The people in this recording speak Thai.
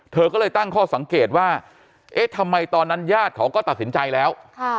เธอก็เลยตั้งข้อสังเกตว่าเอ๊ะทำไมตอนนั้นญาติเขาก็ตัดสินใจแล้ว